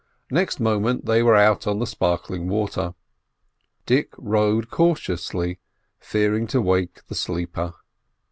Next moment they were out on the sparkling water. Dick rowed cautiously, fearing to wake the sleeper.